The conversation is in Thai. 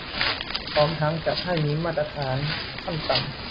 พร้อมทั้งจัดให้มีมาตรฐานขั้นต่ำ